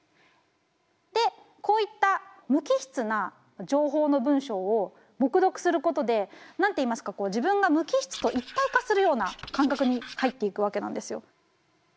でこういった無機質な情報の文章を黙読することで何て言いますか自分が無機質と一体化するような感覚に入っていくわけなんですよ。